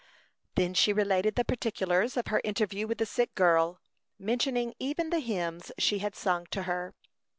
Then she related the particulars of her interview with the sick girl, mentioning even the hymns she had sung to her.